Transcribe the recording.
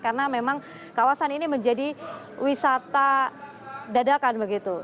karena memang kawasan ini menjadi wisata dadakan begitu